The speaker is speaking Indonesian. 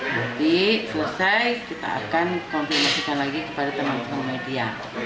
nanti selesai kita akan konfirmasikan lagi kepada teman teman media